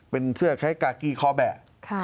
เป็นเสื้อใช้กากรีคอแบะ